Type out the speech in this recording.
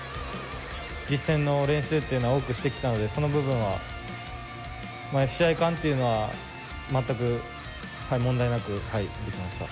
実戦の練習というのを多くしてきたので、その部分は、試合勘というのは全く問題なくできました。